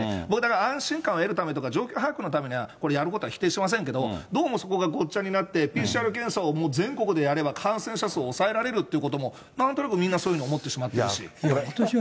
僕だから、安心感を得るためとか、状況把握のためにはこれ、やることは否定しませんけど、どうもそこがごっちゃになって、ＰＣＲ検査を全国でやれば、感染者数を抑えられるっていうこともなんとなく、みんなそういうふうに思ってしまっていると。